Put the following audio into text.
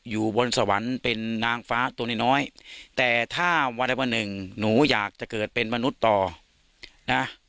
อยู่บนสวรรค์เป็นนางฟ้าตัวน้อยน้อยแต่ถ้าวันใดวันหนึ่งหนูอยากจะเกิดเป็นมนุษย์ต่อนะ